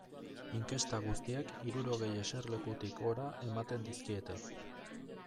Inkesta guztiek hirurogei eserlekutik gora ematen dizkiete.